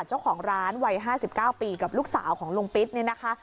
เจ้าของร้านวัย๕๙ปีกับลูกสาวของลุงปิ๊ดเนี่ยนะคะ